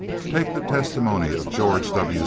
Take the testimony of George W.